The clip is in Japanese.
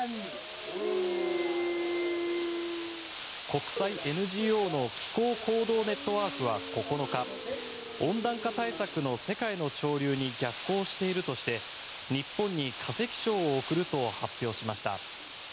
国際ＮＧＯの気候行動ネットワークは９日温暖化対策の世界の潮流に逆行しているとして日本に化石賞を贈ると発表しました。